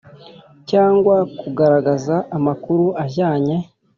Cyangwa kugaragaza amakuru ajyanye